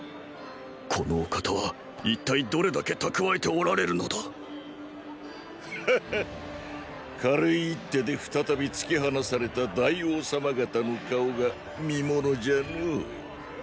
このお方は一体どれだけ蓄えておられるのだハッハ軽い一手で再び突き放された大王様方の顔が見物じゃのォ。